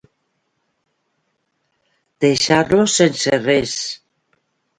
Deixar-lo sense res.